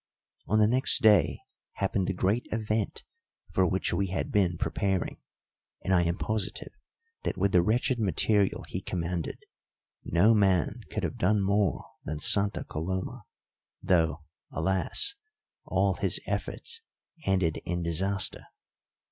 On the next day happened the great event for which we had been preparing, and I am positive that, with the wretched material he commanded, no man could have done more than Santa Coloma, though, alas! all his efforts ended in disaster.